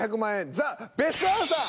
ザ・ベストアンサー！